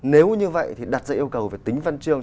nếu như vậy thì đặt ra yêu cầu về tính văn chương